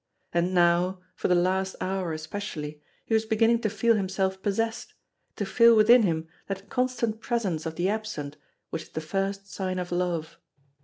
And now, for the last hour especially, he was beginning to feel himself possessed, to feel within him that constant presence of the absent which is the first sign of love.